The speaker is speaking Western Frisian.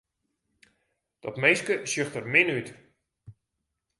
Dat minske sjocht der min út.